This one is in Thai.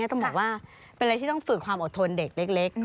ต้องบอกว่าเป็นอะไรที่ต้องฝึกความอดทนเด็กเล็ก